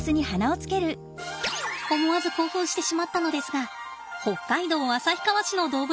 思わず興奮してしまったのですが北海道旭川市の動物園です。